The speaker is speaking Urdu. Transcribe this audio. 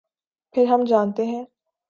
پھر ہم جانتے ہیں۔